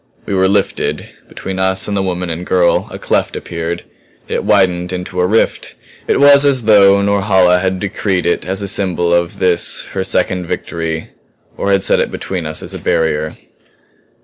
We were lifted; between us and the woman and girl a cleft appeared; it widened into a rift. It was as though Norhala had decreed it as a symbol of this her second victory or had set it between us as a barrier.